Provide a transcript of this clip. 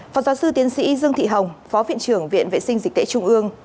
phó giáo sư tiến sĩ dương thị hồng phó viện trưởng viện vệ sinh dịch tễ trung ương